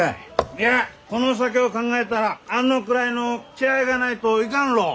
いやこの先を考えたらあのくらいの気概がないといかんろう！